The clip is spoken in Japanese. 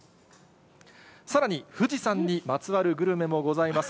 さらに富士山にまつわるグルメもございます。